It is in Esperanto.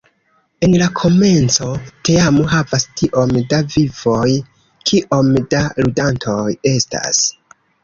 En la komenco teamo havas tiom da "vivoj", kiom da ludantoj estas.